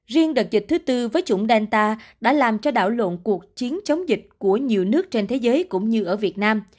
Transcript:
riêng đợt dịch thứ tư với chủng delta đã làm cho đảo lộn cuộc chiến chống dịch của nhiều nước trên thế giới cũng như ở việt nam